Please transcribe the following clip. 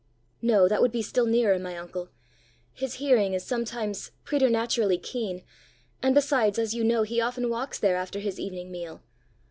"No; that would be still nearer my uncle. His hearing is sometimes preternaturally keen; and besides, as you know, he often walks there after his evening meal.